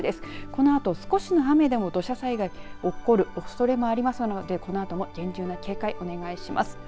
このあと少しの雨でも土砂災害起こるおそれもありますのでこのあとも厳重な警戒お願いします。